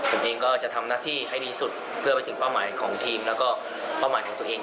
ผมเองก็จะทำหน้าที่ให้ดีสุดเพื่อไปถึงเป้าหมายของทีมแล้วก็เป้าหมายของตัวเอง